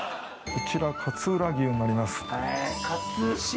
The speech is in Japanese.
こちら勝浦牛になります。